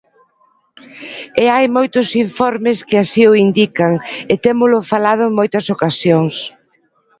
E hai moitos informes que así o indican e témolo falado en moitas ocasións.